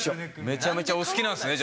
めちゃめちゃお好きなんですね